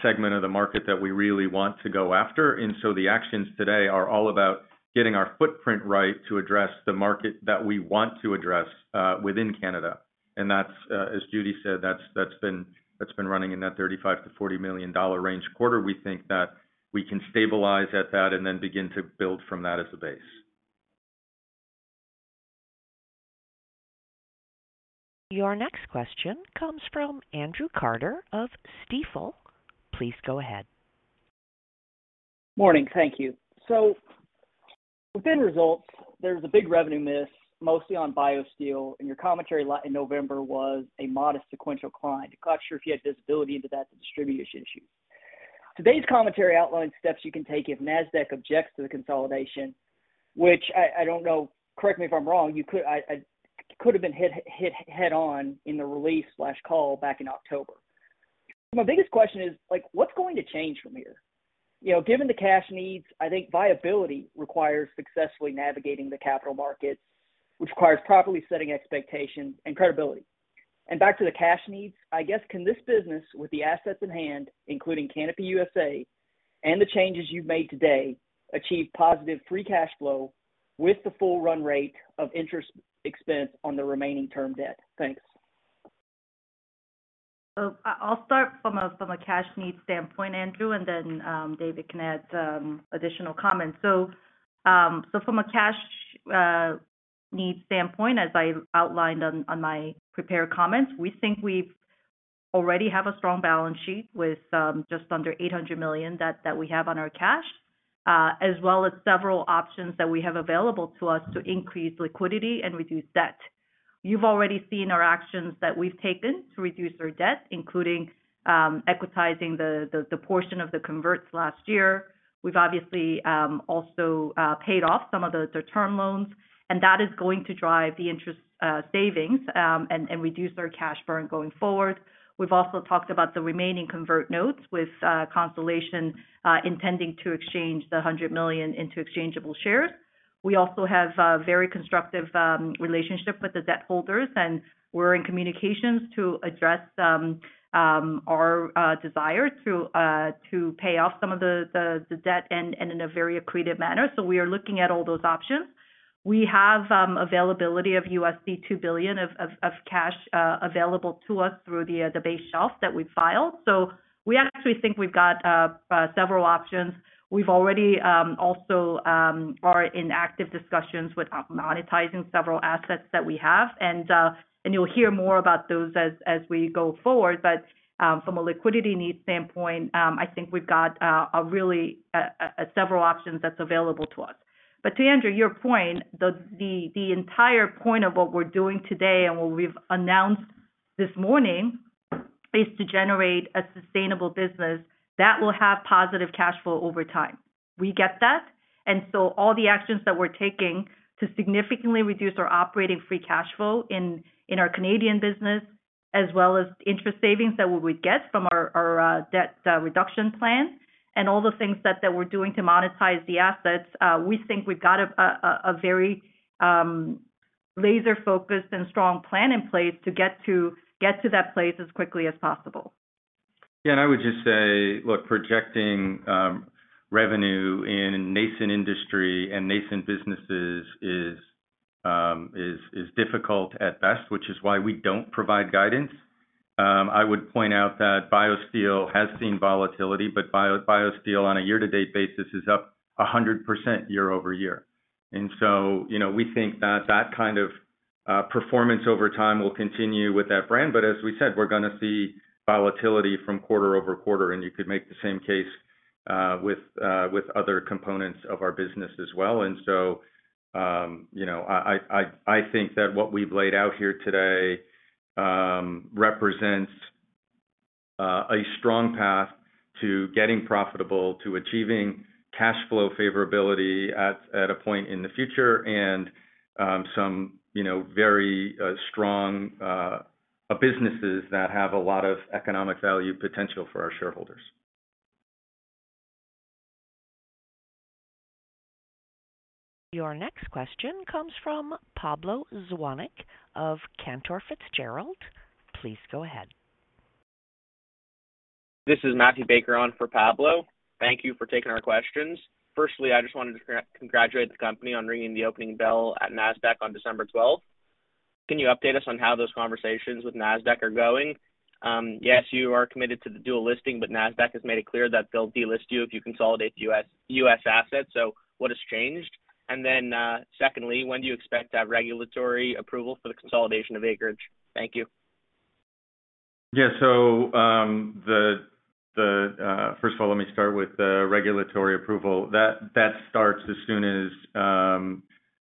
segment of the market that we really want to go after. The actions today are all about getting our footprint right to address the market that we want to address within Canada. That's, as Judy said, that's been running in that 35-40 million dollar range quarter. We think that we can stabilize at that and then begin to build from that as a base. Your next question comes from Andrew Carter of Stifel. Please go ahead. Morning. Thank you. Within results, there's a big revenue miss, mostly on BioSteel. Your commentary in November was a modest sequential decline. Not sure if you had visibility into that distribution issue. Today's commentary outlines steps you can take if Nasdaq objects to the consolidation, which I don't know, correct me if I'm wrong, I could have been hit head on in the release/call back in October. My biggest question is like, what's going to change from here? You know, given the cash needs, I think viability requires successfully navigating the capital markets, which requires properly setting expectations and credibility. Back to the cash needs, I guess, can this business with the assets in hand, including Canopy USA and the changes you've made today, achieve positive free cash flow with the full run rate of interest expense on the remaining term debt? Thanks. I'll start from a cash needs standpoint, Andrew. David can add some additional comments. From a cash needs standpoint, as I outlined on my prepared comments, we think we've already have a strong balance sheet with just under 800 million that we have on our cash, as well as several options that we have available to us to increase liquidity and reduce debt. You've already seen our actions that we've taken to reduce our debt, including equitizing the portion of the converts last year. We've obviously also paid off some of the term loans, and that is going to drive the interest savings and reduce our cash burn going forward. We've also talked about the remaining convert notes with Constellation intending to exchange the $100 million into exchangeable shares. We also have a very constructive relationship with the debt holders, and we're in communications to address our desire to pay off some of the debt and in a very accretive manner. We are looking at all those options. We have availability of $2 billion of cash available to us through the base shelf that we filed. We actually think we've got several options. We've already also are in active discussions with monetizing several assets that we have. You'll hear more about those as we go forward. From a liquidity needs standpoint, I think we've got a really several options that's available to us. To Andrew, your point, the entire point of what we're doing today and what we've announced this morning is to generate a sustainable business that will have positive cash flow over time. We get that. All the actions that we're taking to significantly reduce our operating free cash flow in our Canadian business, as well as interest savings that we would get from our debt reduction plan and all the things that we're doing to monetize the assets, we think we've got a very laser-focused and strong plan in place to get to that place as quickly as possible. Yeah. I would just say, look, projecting revenue in nascent industry and nascent businesses is difficult at best, which is why we don't provide guidance. I would point out that BioSteel has seen volatility, but BioSteel on a year-to-date basis is up 100% year-over-year. You know, we think that that kind of performance over time will continue with that brand. As we said, we're gonna see volatility from quarter-over-quarter, and you could make the same case with other components of our business as well. You know, I think that what we've laid out here today, represents a strong path to getting profitable, to achieving cash flow favorability at a point in the future and, some, you know, very strong businesses that have a lot of economic value potential for our shareholders. Your next question comes from Pablo Zuanic of Cantor Fitzgerald. Please go ahead. This is Matthew Baker on for Pablo. Thank you for taking our questions. I just wanted to congratulate the company on ringing the opening bell at Nasdaq on December 12th. Can you update us on how those conversations with Nasdaq are going? Yes, you are committed to the dual listing, Nasdaq has made it clear that they'll delist you if you consolidate the U.S. assets. What has changed? Secondly, when do you expect that regulatory approval for the consolidation of Acreage? Thank you. Yeah. First of all, let me start with the regulatory approval. That starts as soon as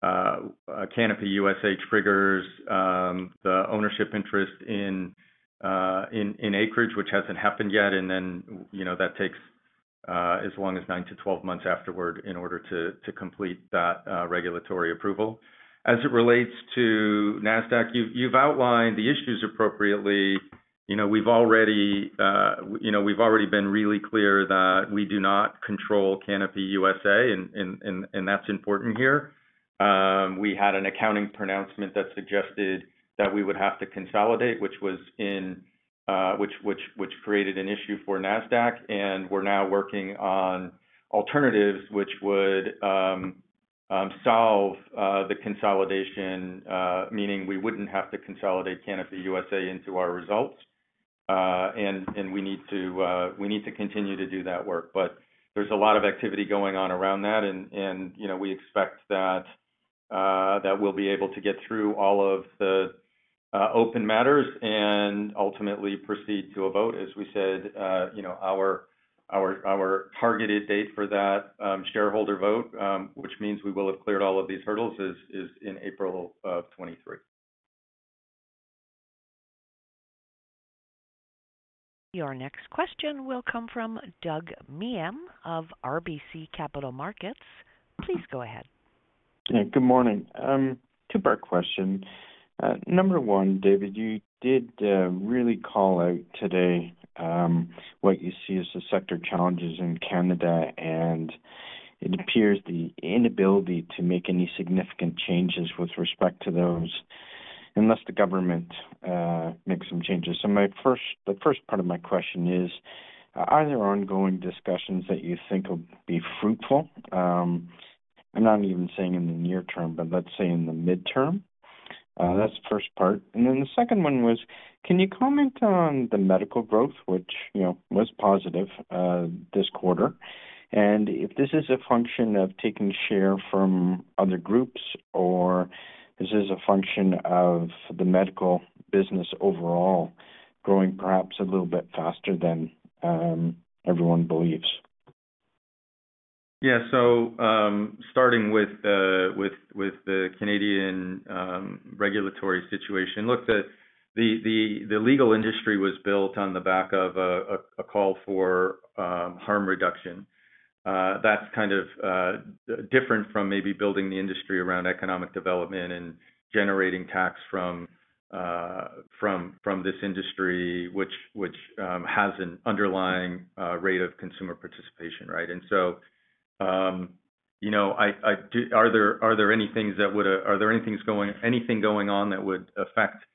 Canopy USA triggers the ownership interest in Acreage, which hasn't happened yet. You know, that takes as long as nine to twelve months afterward in order to complete that regulatory approval. As it relates to Nasdaq, you've outlined the issues appropriately. You know, we've already, you know, we've already been really clear that we do not control Canopy USA, and that's important here. We had an accounting pronouncement that suggested that we would have to consolidate, which was in. which created an issue for Nasdaq, and we're now working on alternatives which would solve the consolidation, meaning we wouldn't have to consolidate Canopy USA into our results. We need to continue to do that work. There's a lot of activity going on around that and, you know, we expect that we'll be able to get through all of the open matters and ultimately proceed to a vote. As we said, you know, our targeted date for that shareholder vote, which means we will have cleared all of these hurdles is in April of 2023. Your next question will come from Doug Miehm of RBC Capital Markets. Please go ahead. Yeah, good morning. Two-part question. Number one, David, you did really call out today what you see as the sector challenges in Canada, and it appears the inability to make any significant changes with respect to those unless the government makes some changes. The first part of my question is, are there ongoing discussions that you think will be fruitful, I'm not even saying in the near term, but let's say in the midterm? That's the first part. The second one was, can you comment on the medical growth, which, you know, was positive this quarter? If this is a function of taking share from other groups, or this is a function of the medical business overall growing perhaps a little bit faster than everyone believes. Yeah. Starting with the Canadian regulatory situation. Look, the legal industry was built on the back of a call for harm reduction. That's kind of different from maybe building the industry around economic development and generating tax from this industry, which has an underlying rate of consumer participation, right? You know, are there any things going on that would affect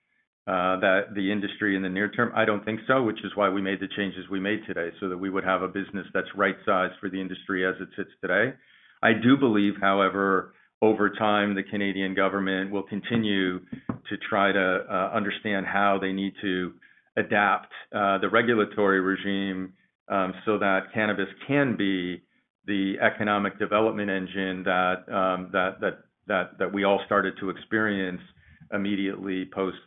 the industry in the near term? I don't think so, which is why we made the changes we made today, so that we would have a business that's right-sized for the industry as it sits today. I do believe, however, over time, the Canadian government will continue to try to understand how they need to adapt the regulatory regime so that cannabis can be the economic development engine that we all started to experience immediately post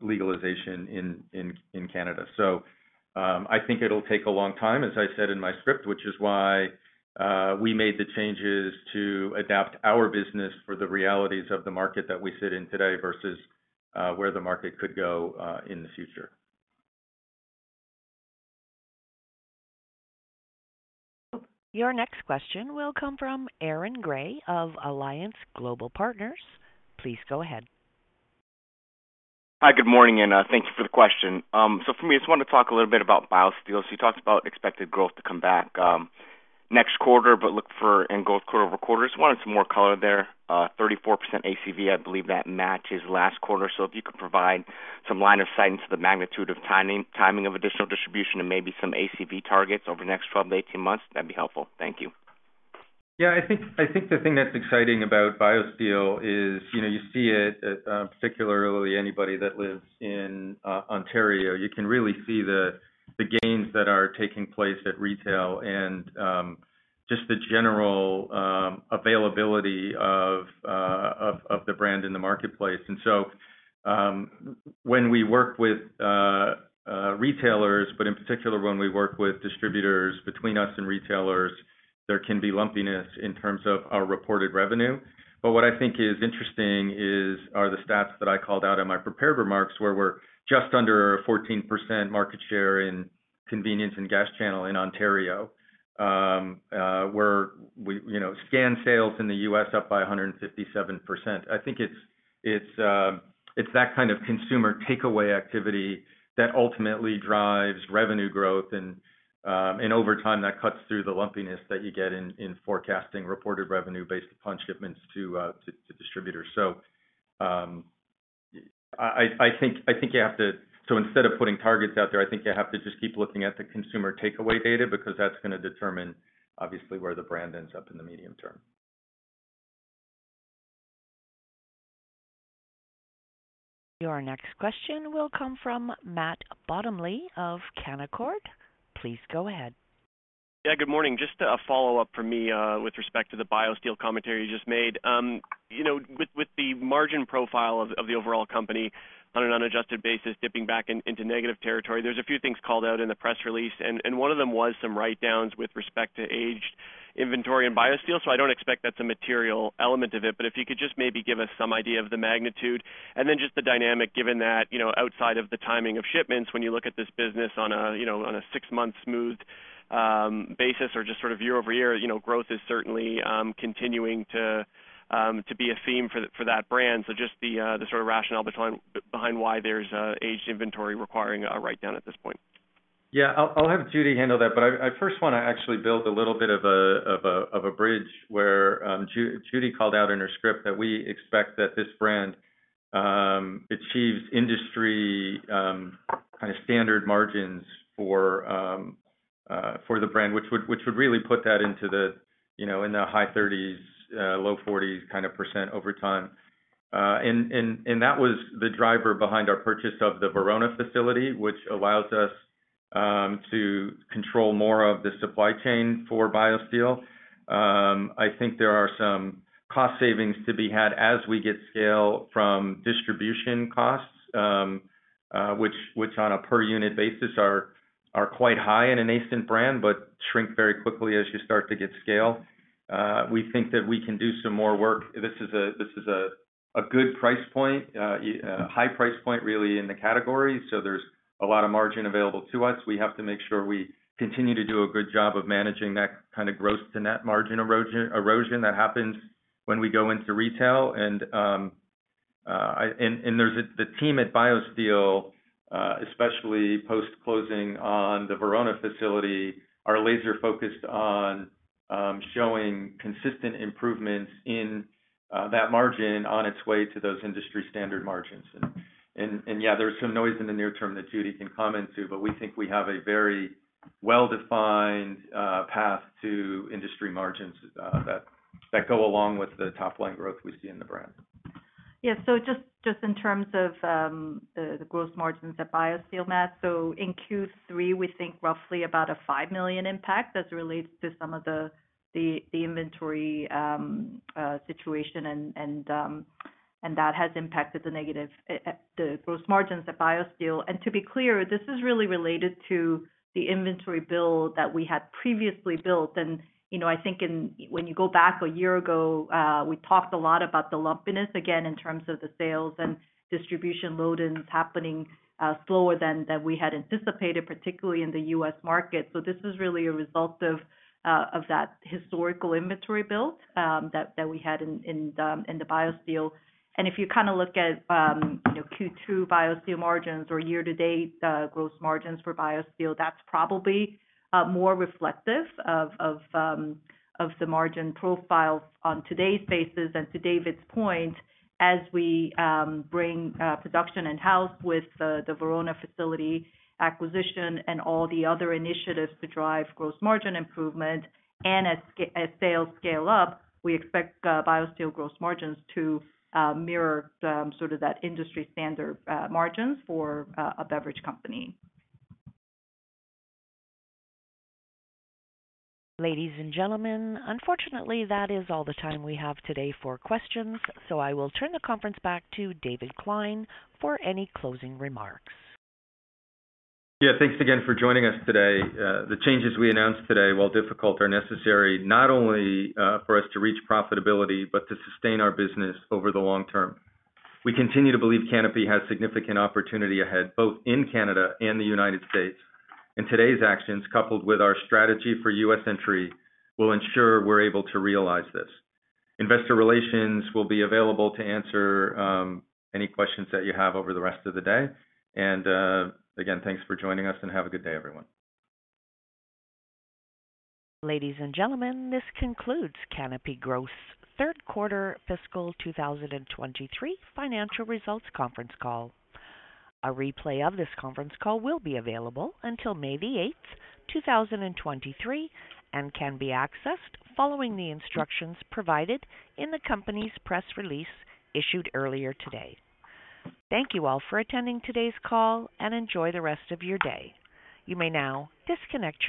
legalization in Canada. I think it'll take a long time, as I said in my script, which is why we made the changes to adapt our business for the realities of the market that we sit in today versus where the market could go in the future. Your next question will come from Aaron Grey of Alliance Global Partners. Please go ahead. Hi, good morning, thank you for the question. For me, I just wanted to talk a little bit about BioSteel. You talked about expected growth to come back next quarter, but look for end growth quarter-over-quarter. Wanted some more color there. 34% ACV, I believe that matches last quarter. If you could provide some line of sight into the magnitude of timing of additional distribution and maybe some ACV targets over the next 12-18 months, that'd be helpful. Thank you. Yeah, I think the thing that's exciting about BioSteel is, you know, you see it, particularly anybody that lives in Ontario, you can really see the gains that are taking place at retail and just the general availability of the brand in the marketplace. When we work with retailers, but in particular when we work with distributors between us and retailers, there can be lumpiness in terms of our reported revenue. What I think is interesting are the stats that I called out in my prepared remarks, where we're just under a 14% market share in convenience and gas channel in Ontario, where we, you know, scan sales in the U.S. up by 157%. I think it's that kind of consumer takeaway activity that ultimately drives revenue growth and over time, that cuts through the lumpiness that you get in forecasting reported revenue based upon shipments to distributors. I think you have to. Instead of putting targets out there, I think you have to just keep looking at the consumer takeaway data, because that's gonna determine obviously where the brand ends up in the medium term. Your next question will come from Matt Bottomley of Canaccord. Please go ahead. Good morning. Just a follow-up from me, with respect to the BioSteel commentary you just made. You know, with the margin profile of the overall company on an unadjusted basis dipping back into negative territory, there's a few things called out in the press release, and one of them was some write-downs with respect to aged inventory and BioSteel. I don't expect that's a material element of it, but if you could just maybe give us some idea of the magnitude, and then just the dynamic, given that, you know, outside of the timing of shipments, when you look at this business on a, you know, on a six-month smoothed basis or just sort of year over year, you know, growth is certainly continuing to be a theme for that brand. Just the sort of rationale behind why there's aged inventory requiring a write-down at this point. Yeah, I'll have Judy handle that, but I first wanna actually build a little bit of a bridge where Judy called out in her script that we expect that this brand achieves industry kind of standard margins for the brand, which would really put that into the, you know, in the high 30s, low 40s kind of % over time. That was the driver behind our purchase of the Verona facility, which allows us to control more of the supply chain for BioSteel. I think there are some cost savings to be had as we get scale from distribution costs, which on a per unit basis are quite high in a nascent brand, but shrink very quickly as you start to get scale. We think that we can do some more work. This is a good price point, high price point really in the category. There's a lot of margin available to us. We have to make sure we continue to do a good job of managing that kind of gross to net margin erosion that happens when we go into retail. The team at BioSteel, especially post-closing on the Verona facility, are laser-focused on showing consistent improvements in that margin on its way to those industry-standard margins. There's some noise in the near term that Judy can comment to. We think we have a very well-defined path to industry margins that go along with the top-line growth we see in the brand. Yeah. In terms of the gross margins at BioSteel, Matt. In Q3, we think roughly about a 5 million impact as it relates to some of the inventory situation and that has impacted the negative at the gross margins at BioSteel. To be clear, this is really related to the inventory build that we had previously built. You know, I think when you go back a year ago, we talked a lot about the lumpiness, again, in terms of the sales and distribution load-ins happening slower than we had anticipated, particularly in the U.S. market. This was really a result of that historical inventory build that we had in the BioSteel. If you kinda look at, you know, Q2 BioSteel margins or year-to-date gross margins for BioSteel, that's probably more reflective of the margin profile on today's basis. To David's point, as we bring production in-house with the Verona facility acquisition and all the other initiatives to drive gross margin improvement, as sales scale up, we expect BioSteel gross margins to mirror the, sort of that industry standard margins for a beverage company. Ladies and gentlemen, unfortunately, that is all the time we have today for questions. I will turn the conference back to David Klein for any closing remarks. Yeah. Thanks again for joining us today. The changes we announced today, while difficult, are necessary, not only for us to reach profitability but to sustain our business over the long term. We continue to believe Canopy has significant opportunity ahead, both in Canada and the United States. Today's actions, coupled with our strategy for US entry, will ensure we're able to realize this. Investor relations will be available to answer any questions that you have over the rest of the day. Again, thanks for joining us, and have a good day, everyone. Ladies and gentlemen, this concludes Canopy Growth's third quarter fiscal 2023 financial results conference call. A replay of this conference call will be available until May the 8th, 2023, and can be accessed following the instructions provided in the company's press release issued earlier today. Thank you all for attending today's call, and enjoy the rest of your day. You may now disconnect your lines.